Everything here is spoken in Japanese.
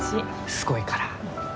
すごいから。